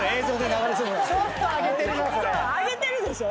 上げてるでしょ？